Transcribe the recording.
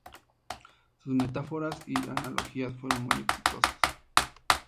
Sus metáforas y analogías fueron muy exitosas.